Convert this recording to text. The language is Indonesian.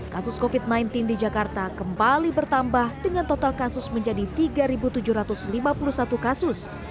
kasus covid sembilan belas di jakarta kembali bertambah dengan total kasus menjadi tiga tujuh ratus lima puluh satu kasus